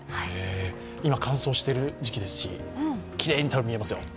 今、乾燥している時期ですしきれいに見えますよ。